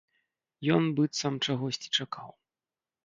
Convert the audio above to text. Ён быццам чагосьці чакаў.